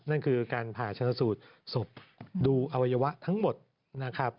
นั่นคือการผ่าชนสูตรศพดูอวัยวะทั้งหมดนะครับ